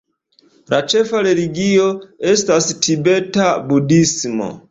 La ĉefa religio estas tibeta budhismo.